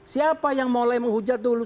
siapa yang mulai menghujat dulu